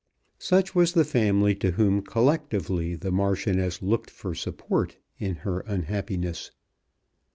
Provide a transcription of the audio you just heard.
Such was the family to whom collectively the Marchioness looked for support in her unhappiness.